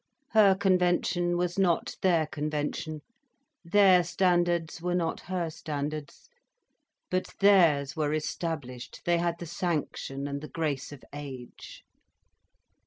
Her convention was not their convention, their standards were not her standards. But theirs were established, they had the sanction and the grace of age.